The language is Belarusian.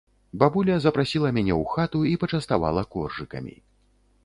Бабуля запрасіла мяне ў хату і пачаставала коржыкамі.